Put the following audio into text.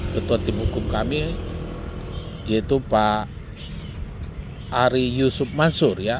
ketua tim hukum kami yaitu pak ari yusuf mansur ya